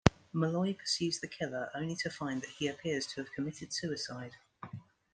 Malloy pursues the killer only to find that he appears to have committed suicide.